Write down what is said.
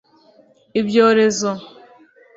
ibyorezo